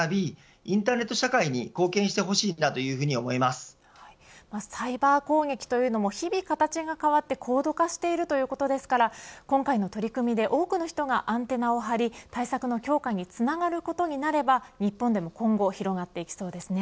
インターネット社会にサイバー攻撃というのも日々、形が変わって高度化しているということですから今回の取り組みで多くの人がアンテナを張り対策の強化につながることになれば日本でも今後広がってきそうですね。